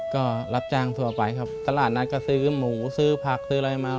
ก็รับจ้างทั่วไปครับตลาดนัดก็ซื้อหมูซื้อผักซื้ออะไรมา